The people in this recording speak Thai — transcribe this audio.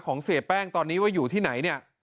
เสียแป้งตอนนี้ว่าอยู่ที่ไหนเนี่ย